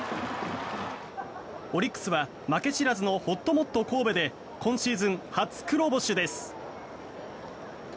オリックスは負け知らずのほっともっと神戸で今シーズン初黒星です。